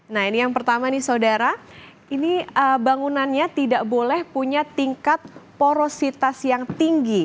nah ini yang pertama nih saudara ini bangunannya tidak boleh punya tingkat porositas yang tinggi